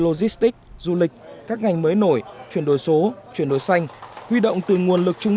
logistic du lịch các ngành mới nổi chuyển đổi số chuyển đổi xanh huy động từ nguồn lực trung